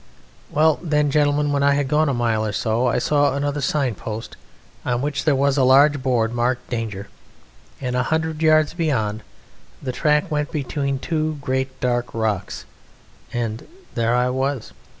"Well then, gentlemen, when I had gone a mile or so I saw another signpost, on which there was a large board marked 'Danger,' and a hundred yards beyond the track went between two great dark rocks and there I was!